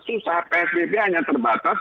susah psbb hanya terbatas